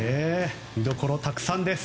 見どころたくさんです。